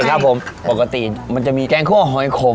ครับผมปกติมันจะมีแกงคั่วหอยขม